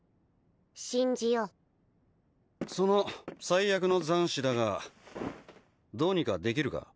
信じようその災厄の残滓だがどうにかできるか？